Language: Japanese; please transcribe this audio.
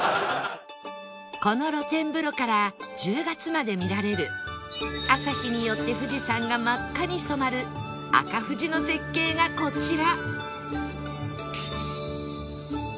この露天風呂から１０月まで見られる朝日によって富士山が真っ赤に染まる赤富士の絶景がこちら